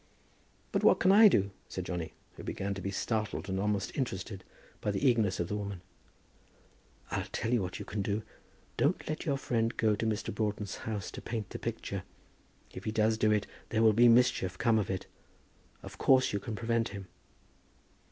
"But what can I do?" said Johnny, who began to be startled and almost interested by the eagerness of the woman. "I'll tell you what you can do. Don't let your friend go to Mr. Broughton's house to paint the picture. If he does do it, there will mischief come of it. Of course you can prevent him."